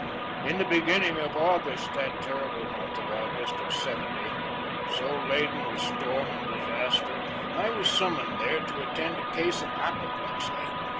In the beginning of August that terrible month of August of '70, so laden with storm and disaster, I was summoned there to attend a case of apoplexy.